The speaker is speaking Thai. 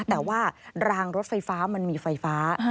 แต่ว่ารางรถไฟฟ้ามันมีไฟฟ้า